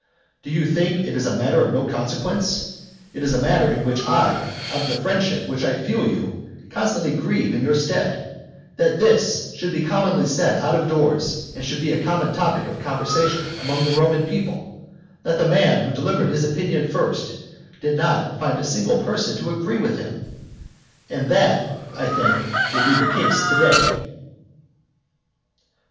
Do you think it a matter of no consequence, (it is a matter in which I, out of the friendship which I feel you, constantly grieve in your stead,) that this should be commonly said out of doors, and should be a common topic of conversation among the Roman people, that the man who delivered his opinion first did not find a single person to agree with him? And that I think will be the case to day.